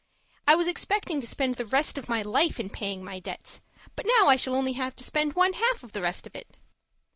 I was expecting to spend the rest of my life in paying my debts, but now I shall only have to spend one half of the rest of it.